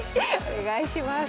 お願いします。